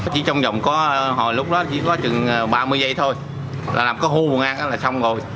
chỉ trong vòng có hồi lúc đó chỉ có chừng ba mươi giây thôi là làm có hô ngang là xong rồi